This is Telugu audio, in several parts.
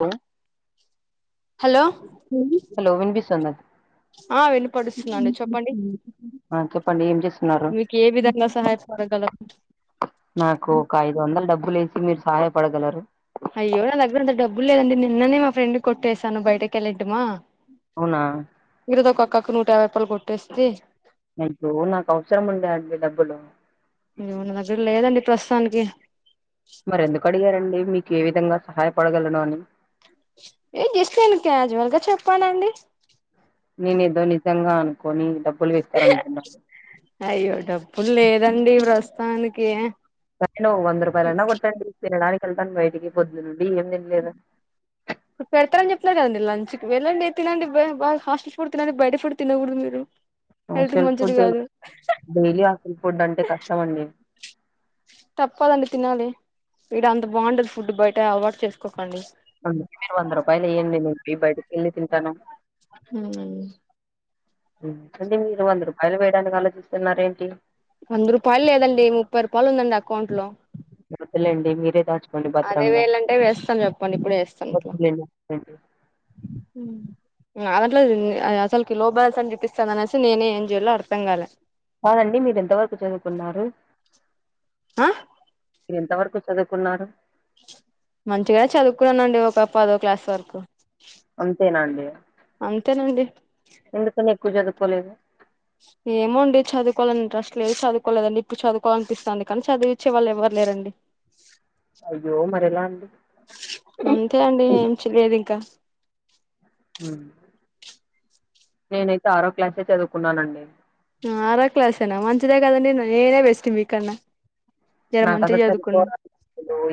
లో హలో హలో విన్పిస్తుందా. ఆ వినపడుస్తుందండి చెప్పండి చెప్పండి ఏం చేస్తున్నారు. ఒక గల నాకు ఒక ఐదు వందల డబ్బులు వేసి మీరు సహాయపడగలరు. అయ్యో నా దగ్గర అంత డబ్బులు లేదండి నిన్ననే మా ఫ్రెండ్ కొట్టేేశాను బయటకి వెళ్ళంటుంగా అవునా అ ఒక అక్కకు నూట యాభై రూపాయలు కొట్టేస్తే మీకు నాకు అవసరం ఉండే అండి డబ్బులు. అయ్యో నా దగ్గర లేదండి ప్రస్తుతానికి మరి ఎందుకు అడిగారండి మీకు ఏ విధంగా సహాయపడగలను అని. ఏదో జస్ట్ క్యాజువల్ గా చెప్పానండి. నేను ఏదో నిజంగా అనుకోని డబ్ అయ్యో డబ్బుల్లేదండి ప్రస్తుతానికి. సవ్ వంద రూపాయలన్నా కొట్టండి తినడానికి వెళ్తాను బయటికి పద్దుండి బిన్న లేదా స్తానండి లంచ్ క వెళ్ళండి తినండి బాగా హాస్టల్ ఫుడ్ తినండి బయట ఫుడ్ తినకూడదు మీరు. హెల్త్ కి హాస్టల్ మంచిది ఫుడ్ కాదు డైలీ హాస్టల్ ఫుడ్ అంటే కష్టమండి. తప్పదండి తినాలి వడ అంత బాగుండదు ఫుడ్ బయట అలవాటు చేసుకో. మీరు వంద రూపాయలు ఇయ్యండి నేను బయటకి వెళ్ళి తింటాను. హ్మ్ హ్మ్ మీరు వంద రూపాయలు వేయడానికి ఆలోచిస్తున్నారేంటి. వంద రూపాయలు లేదండి ముప్పై రూపాయలు ఉందండి అకౌంట్ లో. వద్దులేండి మీరే దాచు అదే వెయ్ లాంటే వేస్తాను చెప్పండి ఇప్పుడే వేస్తాను అట్లా వద్దులేండి వద్దులేండి హ అదట్లో అసలు క లో బ్యాలెన్స్ అని చప్పపిస్తంది అనేసి నేనే ఏం చేయాలో అర్థం కాలే అవునండి మీరు ఎంత వరకు చదువుకున్నారు ఆ మీరు ఎంత వరకు చదువుకున్నారు మంచిగానే చదువుకున్నానండి ఒక ప పదో క్లాస్ వరకు అంతేనాండి అంతేనండి ఎందుకని ఎక్కువ చదువుకోలేదు ట్రస్ట్లు ఏ చదువుకోలేదండి ఇప్పుడు చదువుకోవాలనిపిస్తుంది కానీ చదివించే వాళ్ళ ఎవరురండి అయ్యో మరి ఎలా అండి అంతే అండి ఏం చెలేదు ఇంకా నేనైతే ఆరో క్లాసే చదువుకున్నానండి ఆరో క్లాసేనా మంచిదే కదండడి నేనే బెస్ట్ మీకన్నా జర నాకు అక్కడ మంచిగా చదువుకున్నా చదువుకోరా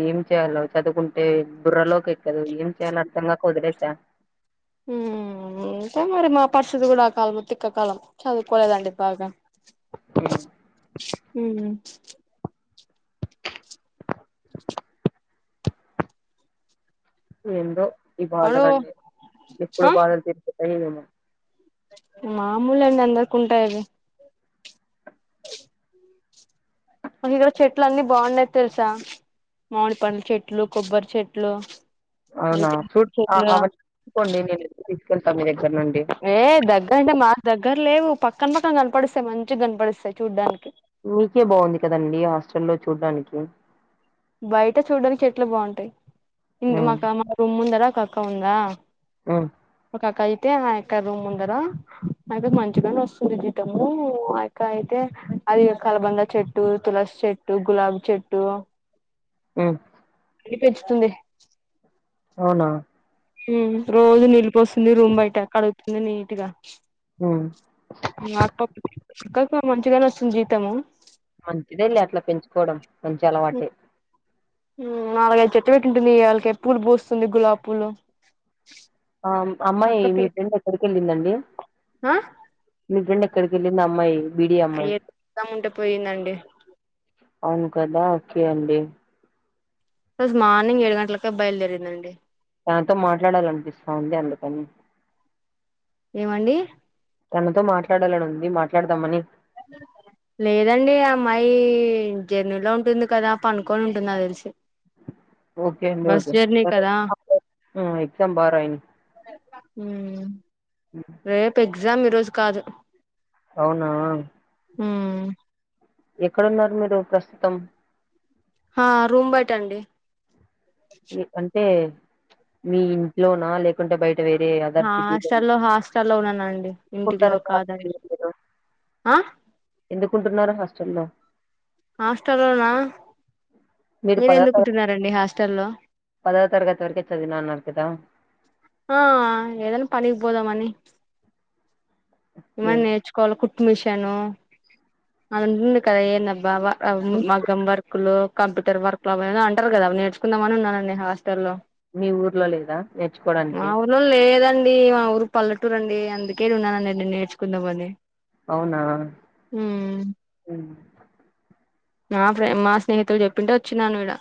ఏం చేయాలో చదువుకుంటే బుర్రలోకి ఏం చేయాలలో అర్థం కాక వదిలేశా ఉ అకాే మరి మా పరిస్థితి కూడా ఆ కాలం తిక్కకాలం చదువుకోలేదండి బాగా హ్మ్. హ ఏందో ఈ అడో బాధలన్నీ ఎప్పుడు బాధలు తిరుకుతాయి ఏమో మామూలు అండి అందరికి ఉంటాయివి ఇడ చెట్లు అన్నిీ బాగుండది తెలుసా మామిడిపండ్ల చెట్లు కొబ్బరి చెట్లు అది అవునా ఫ్రూట్ ఆ! చెలద అవన్నీ తీసుకోండి నేను తీసుకెళ్తా మీ దగ్గర నుండి ఏ దగ్గర అంటే మాకు దగ్గర లేవు పక్కన పక్కన కనపడిస్తాయి మంచి కనపడిస్తాయి చూడ్డానికి మీకే బాగుంది కదండి హాస్టల్లో చూడ్డానికి బయట చూడడానికి చెట్టు బాగుంటాయి ఇం ఉమ్ మాకు మా రూమ్ ఉందదా కక్క ఉందా ఆ ఇక అయితే ఆ ఆక్క రూమ్ ఉందరా ఆ మంచిగానే వస్తుంది జీతమ్ ఆ ఆక్క అయితే అది కలబంద చెట్టు తులసి చెట్టు గులాబ్ చెట్టు ఆ అని పెంచుతుంది అవునా రోజు నీళ్ళుస్తుంది రూమ్ బయట కడుగుతుంది నీట్గా ఉమ్ అక్క అక్కకి మంచిగానే వస్తుంది జీతము మంచిదేళ్ లే అట్లా పెంచుకోవడం మంచి అలవాటే నాలుగైదు చెట్టు పెట్టింటుంది వాళ్ళకిే పూలు పోస్తుంది గులాబ పూలు ఆ అమ్మాయి అక్క మీ పే బ్రెండ్ ఎక్కడికి వెళ్ళిందండి ఆ మీ ఫ్రెండ్ ఇక్కడికి వెళ్ళి అమ్మాయి బీడీ అమ్మాయి అ ఉంట పోయిందండి అవును కదా ఓకే అండి రోజు మార్నింగ్ ఏడు గంటలకే బయలుదరిందండి తాతో మాట్లాడాలనిపిస్తా ఉంది అందుకని ఏమండి తనతో మాట్లాడాలని ఉంది మాట్లాడదామని లేదండి అమ్మాయి జర్నీలో ఉంటుంది కదా పనుకొని ఉంటుంద తెలిసి ఓకే బస్ జర్నీ కదా ఈజీ బాగా రాయి రేపు ఎగ్జామ్ ఈరోజు కాదు అవునా ఆ ఎక్కడున్నారు మీరు ప్రస్తుతం ఆ రూమ్ బయట అండి అంటే మీ ఇంట్లోనా లేకుంటే బయట వేరే అదర్ సిటీలో హాస్టల్లో హాస్టల్లో ఉన్నానండి ఇంటిలో కుంటారండి కాదని హాస్టల్లో మీరు ఆ ఎందుకుంటున్నారు హాస్టల్లో హాస్టల్లోనా మీరు పదో తర ఎందుకుంటున్నారండి హాస్టల్ల్లో పదవ తర్గతి వరకు చదివిన అన్నారుకదా ఆ ఏదైనా పనికి పోదా మని ఓకే ఏమైనా నేర్చుకోవాలి కు ట్టుమిషన్ అలా ఉంటుంది కదా ఏందబ్బా ఆ మీ మగ్గం వర్కులు కంప్యూటర్ వర్క్లు అవి ఏదో అంటారు కదా అవి నేర్చుకుందామని ఉన్నానండి హాస్టల్లో మీ ఊర్లో లేదా ఎ మా ఊర్లో లేదండి మా ఊరు పల్లెటూరండి అందుకే ఉన్నానం నేర్చుకుందామని అవునా హ్మ్ మా ఫ్రె మా స్నేహితులు చెప్పింటే వచ్చినాను ఇడ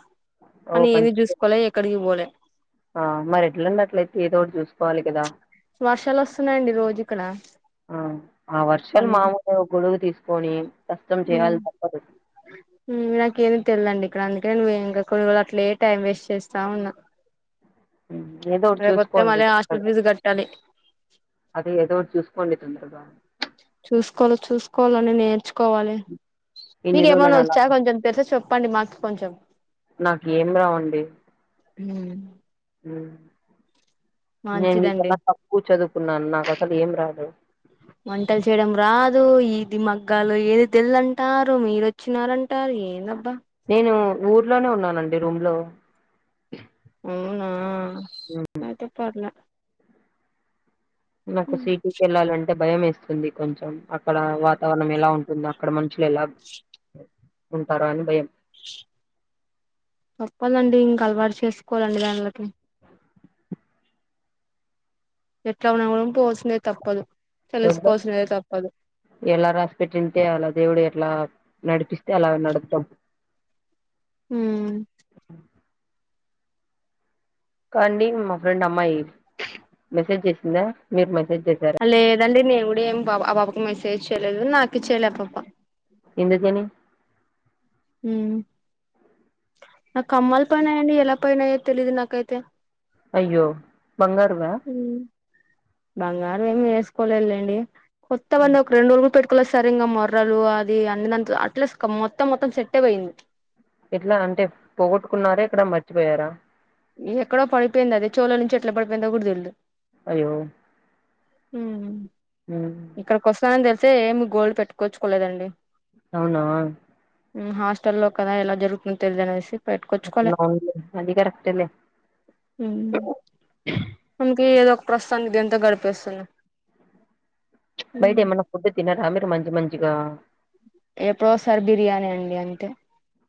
ఓ కానీ ఏమి మంచిదే చూసుకోవాల ఎక్కడికి బోలే ఆ మరి ఎట్లున్నట్లయితే ఏదో ఒకటి చూసుకోవాలి కదా వర్షాలు వస్తున్నాయండి రోజు ఇక్కడ ఆ ఆ వర్షాలు అన్ని మామూలుగా గొడుగు తీసుకొని కష్టం చేయాలి తప్పదు నాకేమీ తెలదండి ఇక్కడ అందుకనే నువ ఇక్కడ కూడా అట్లే టైం వేస్ట్ చేస్తా ఉన్నా ఏదో ఒకటి రేపోతే చూసుకోండి మళ్ళీ హాస్టల్ [unintelligible] ఫీజు కట్టాలి అదే ఏదో ఒకటి చూసుకోండి తొందరగా చూసుకోలి చూసుకోవాలని నేర్చు మీక ఇన్ని ఏమైన్నా రోజులని అలా వచ్చా కొంచెం తెలిసి చెప్పండి మాకు కొంచెం నాకు ఏం రావండి హ్మ్ హ్మ్ నేను మంచిదండి నీకన్నా తక్కువ చదువుకున్నాను నాకు అసలు ఏం రాదు అదో ఇది మగ్గాలు ఏది తెల్ దంటారు మీరు వచ్చినారంటారు ఏందబ్బా నేను ఊర్లోనే ఉన్నానండి రూమ్ లో అవునా అయితే పర్లా నాకు సిటీకి వెళ్ళాలంటే భయం వేస్తుంది కొంచెం అక్కడ వాతావరణం ఎలా ఉంటుంది అక్కడ మనుష ఎట్ల ఎలా ఉంటారో అని భయం చెప్పాలండి ఇంక అలవాటు చేసుకోవాలండి దాంలకి ఎట్లా ఉన్నా కూడా పోవాల్సిందే తప్పదు చూద్దాం తెలుసుకోవాల్సిందే తప్పదు ఎలా రాసి పెట్టి ఉంటే అలా దేవుడు ఎట్లా నడిపిస్తే అలా నడుత్తం హ్మ్ కాండి మా ఫ్రెండ్ అమ్మాయి మెసేజ్ చేసిందా మీరు మెసేజ్ చేసారా లేదండి నేను కూడా ఏం ఆ పాపకు మెసేజ్ చేయలేదు నాకూ చేయలే ఆ పాప ఎందుకని నా కమ్మలు పోయినాయండి ఎలా పోయినాయో తెలీదు నాకైతే అయ్యో బంగారువా ఉమ్ బంగారం ఏమి వేసుకోలే లేండి కొత్తవండి ఒక రెండు రోజులు కూడా పెట్టు మక్కలో సరిగా మొర్రలు అది అన్ని దాని లో అట్లాస్ట్ మొత్తం మొత్తం సెట్టే పోయింది ఎట్లా అంటే పోగొట్టుకున్నారా ఎక్కడ మర్చిపోయారా ఎక్కడో పడిపోయిందది చెవిలోంచి ఎట్లా పడిపోయిందో తెలీదు అయ్యో హ్మ్. ఇక్కడికి వస్తానని తెలిసే ఏమి గోల్డ్ పెట్టుకోచ్చుకోలేదండి అవునా హాస్టెల్లో లో కదా ఎలా జరుగుతుంది తెలిదనేసి [unintelligible] హ్మ్ అంతే ఏదో ప్రస్తుతానికి దీనితో గడిపేస్తున్న బైట ఏమైనా ఫుడ్ తినరా మీరు మంచి మంచి గా ఎప్పుడోసారి బిర్యానీ అండి అంతే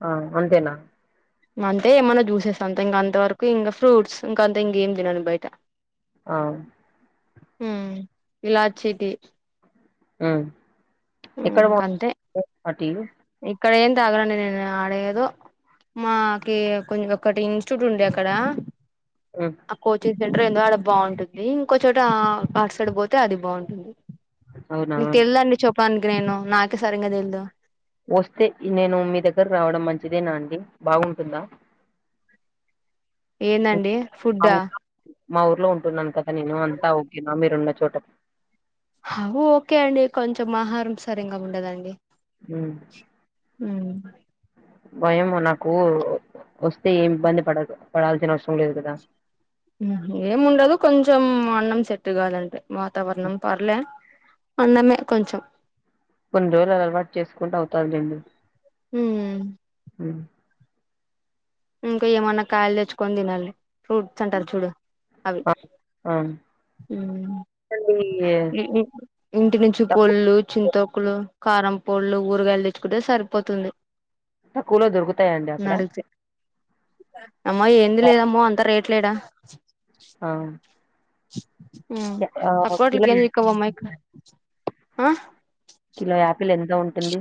ఆ అంతేనా అంతే ఏమన్నా చూసేస్తా అంత ఇంకా అంత వరకు ఇంకా ఫ్రూట్స్ ఇంకా అంత ఇంకేం తినండి బయట ఆ హ ఇలాచ్చటి ఇంక అంతే ఎక్కడటీ [unintelligible] ఇక్కడ ఎన్ థాగను ఆండీ అడ ఎధో మాకి కొంచం ఒకటి ఇన్స్టిట్యూట్ ఉండే అక్కడ ఉమ్ ఆ కోచింగ్ సెంటర్ ఏదో అడ బాగుంటుంది ఇంకో చోట ఆటు సైడ్ పోతే అది బాగుంటుంది అవునా నీకు తెలిదండి చెప్పడానికి నేను నాకే సరిగా తెలిదు వస్తే నేను మీ దగ్గర రావడం మంచిదేనా అండి బాగుంటుదా ఏందండి మా ఫుడ్డా ఊ మా ఊర్లో ఉంటున్నాను కదా నేను అంతా ఓకేనా మీరున్న చోటకి అ ఓకే అండి కొంచెం ఆహారం సరింగా ఉండదండి ఉమ్ ఉమ్ భయం నాకు వస్తే ఏమి ఇబ్బంది పడ పడాల్సిన అవసరం లేదు కదా ఏముండదు కొంచెం అన్నం సెట్టు కాదండి వాతావరణం పర్లే అనమే కొంచం కొన్ని రోజులు అలవాటు చేసుకుంటూ అవుతది లెండి హ హ ఇంకా ఏమన్నా కాయలు తెచ్చుకొని తినాలి ఫ్రూట్స్ అంటారు చూడు అవి ఆ ఆ ఉ అండి, ఇంటి నుంచి తక్కువ పొళ్ళు చింతకులు కారం పళ్ళలు ఊరగాయలు తెచ్చుకుంటే సరిపోతుంది తక్కువలో దొరుకుతాయండి అక్కడ అమ్మో ఏంది లేదమ్మో అంతా రేట్ లేడా ఆ ఆ! కిలో తక్కవట్లకి ఏంది చిక్కవమ్మా ఇక్కడ కిలో యాపిల్ ఎంత ఉంటుంది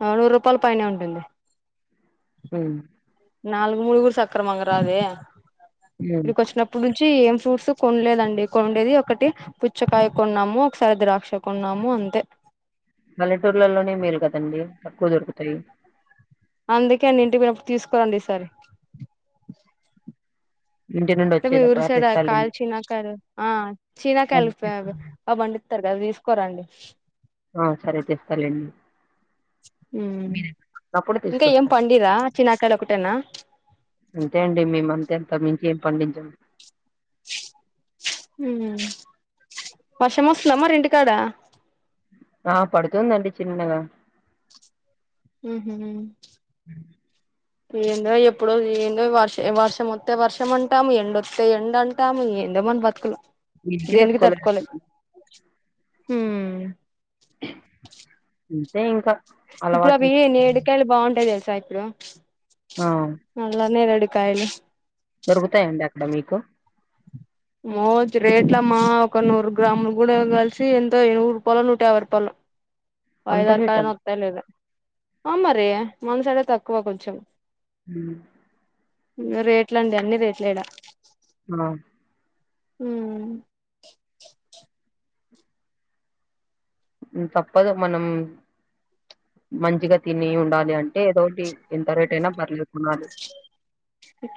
నూరు రూపాయల పైన ఉంటుంది ఉమ్ నాలుగు మూడుగురు సక్రమంగా రాదే హ్మ్. ఇక్కడికి వచ్చినప్పుడు నుంచి ఏం ఫ్రూట్స్ కొంలేదండి కొండేది ఒకటి పుచ్చకాయ కొన్నాము ఒకసారి ద్రాక్ష కొన్నాము అంతే మల్లెటూర్లలోనే మేలు కదండి తక్కువ దొరుకుతాయి అందుకే అండి ఇంటికి పోయినప్పుడు తీసుకోరండి ఈసారి ఇంటి నుండి తమ ఇఊరు వచ్చేటప్పుడు సైడ్ కాల్ తెస్తాలేండి చీనకాయ ఆ చీనకాయల్ అవి పండితార్ కథ తీసుకోరండి ఆ సరే తెస్తాలేండి హ అప్పుడు ఇంకా ఏం తీసుకొస్తాను పండరా చినకాయలు ఒకటేనా అంతే అండి మేము అంతే అంత మించి ఏం పండించం వర్షం వస్తుందమ్ మరి ఇంటికాడ ఆ పడుతుందండి చిన్నగా ఉహు ఏందో ఎప్పుడు ఏందో వర్షం వస్తే వర్షం అంటాము ఎండొస్తే ఎండ్ అంటాము ఏందో [unintelligible] బతుకుల ఎన్కి తట్టుకోలెం హ అంతే ఇంకా ఇప్పుడు అలవాటు అవి చేసు నేడుకాయలు బాగుంటాయి తెలుసా ఇప్పుడు ఆ మళ్ళా నేడు కాయలు దొరుకుతాయండి అక్కడ మీకు మోజు రేట్ల అమ్మా ఒక నూరు గ్రాములు కూడా కలిసి ఎంతో ఎవురు రూపాలో నూట యాభై రూపాలో అంత వయిదారు కాయి రేటా వస్తాయో లేదో అమరి మనసుడే తక్కువ కొంచెం ఉ ఇంగా రేట్లండి అన్ని రేట్లే ఈడ అ ఉ ఉ తప్పదు మనం మంచిగా తిని ఉండాలి అంటే ఏదోటి ఎంత రేట్ అయినా పర్లేదు కొనాలి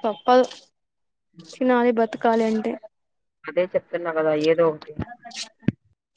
పప్పదు తినాలి బతకాలి అంటే అదే చెప్తున్నా కదా ఏదో ఒకటి